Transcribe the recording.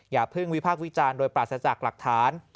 อย่าเพิ่งวิพากษ์วิจารณ์โดยปราศจากหลักฐาน